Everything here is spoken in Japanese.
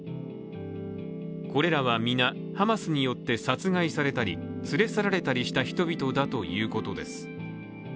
これらは皆、ハマスによって殺害されたり連れ去られたりした人々だということです。